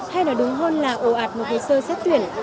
hay nói đúng hơn là ổ ạt một hồ sơ xét tuyển